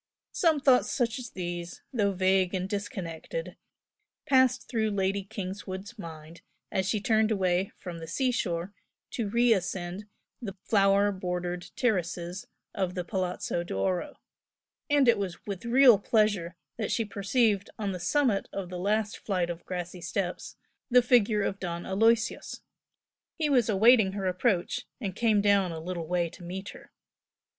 Some thoughts such as these, though vague and disconnected, passed through Lady Kingswood's mind as she turned away from the sea shore to re ascend the flower bordered terraces of the Palazzo d'Oro, and it was with real pleasure that she perceived on the summit of the last flight of grassy steps, the figure of Don Aloysius. He was awaiting her approach, and came down a little way to meet her.